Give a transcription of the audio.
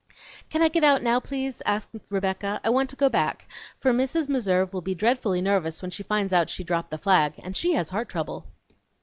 "Can I get out now, please?" asked Rebecca. "I want to go back, for Mrs. Meserve will be dreadfully nervous when she finds out she dropped the flag, and she has heart trouble."